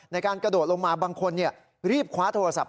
ในการกระโดดลงมาบางคนรีบคว้าโทรศัพท์